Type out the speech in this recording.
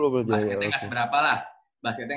basketnya gak seberapa lah basketnya